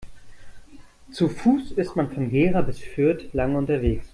Zu Fuß ist man von Gera bis Fürth lange unterwegs